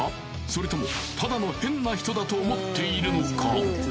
それともただの変な人だと思っているのか？